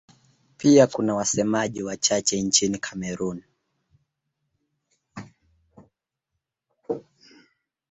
Pia kuna wasemaji wachache nchini Kamerun.